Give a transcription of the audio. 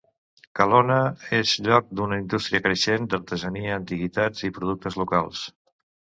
Kalona és lloc d'una indústria creixent d'artesania, antiguitats i productes locals.